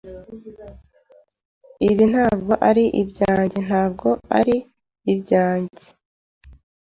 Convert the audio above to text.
"Ibi ntabwo ari ibyanjye." "Ntabwo ari ibyanjye."